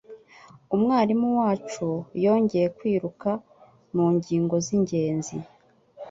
Umwarimu wacu yongeye kwiruka mu ngingo zingenzi